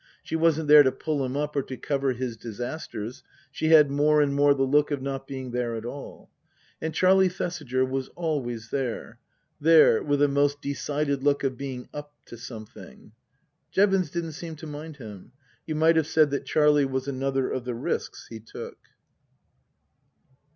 She wasn't there to pull him up or to cover his disasters ; she had more and more the look of not being there at all. And Charlie Thesiger was always there. There with a most decided look of being up to something. Jevons didn't seem to mind him. You might have said that Charlie was another of the risks he took.